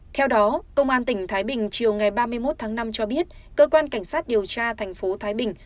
theo đó công an tỉnh thái bình chiều ngày ba mươi một tháng năm cho biết cơ quan cảnh sát điều tra thành phố thái bình